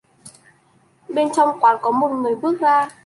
Bên trong quán có một người bước ra